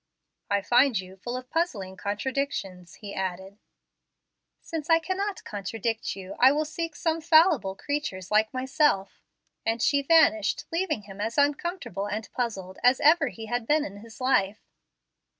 "I find you full of puzzling contradictions," he added. "Since I cannot contradict you, I will seek some fallible creatures like myself"; and she vanished, leaving him as uncomfortable and puzzled as ever he had been in his life.